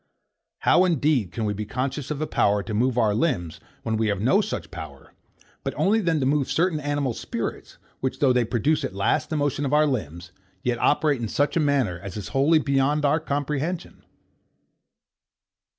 How indeed can we be conscious of a power to move our limbs, when we have no such power; but only that to move certain animal spirits, which, though they produce at last the motion of our limbs, yet operate in such a manner as is wholly beyond our comprehension?